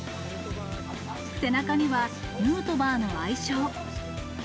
背中には、ヌートバーの愛称。